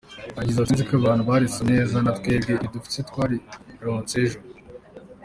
Yagize ati: "Sinzi ko abantu barisomye neza, na twebwe iri dufise twarironse ejo.